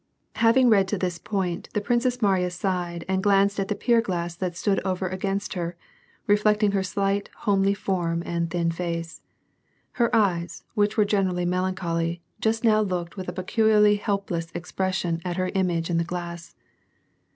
Having read to this point, the Princess Mariya sighed and glanced at the pier glass that stood over against her, reflect ing her slight, homely fonn and thin face. Her eyes, which wete generally melancholy, just now looked with a peculiarly hopeless expression at her image in the glass.